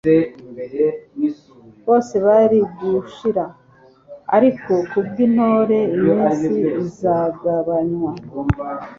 bose bari gushira : «Ariko kubw'intore iminsi izagabanywa.»